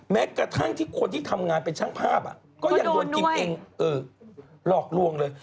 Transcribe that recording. แม้กระทั่งที่คนที่ทำงานเป็นช่างภาพก็ยังโดนกิมเองหลอกลวงเลย